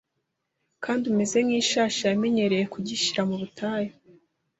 kandi umeze nk’ishashi yamenyereye kugishira mu butayu,